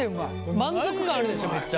満足感あるでしょめっちゃ。